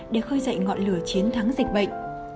để khơi dậy ngọn lửa chiến thắng dịch bệnh